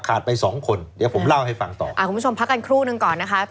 ไปสองคนเดี๋ยวผมเล่าให้ฟังต่ออ่าคุณผู้ชมพักกันครู่นึงก่อนนะคะ